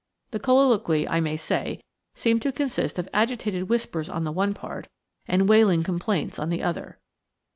The colloquy, I may say, seemed to consist of agitated whispers on one part, and wailing complaints on the other.